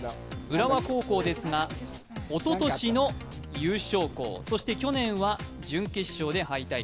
浦和高校ですがおととしの優勝校、そして去年は準決勝で敗退。